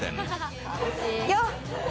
よっ。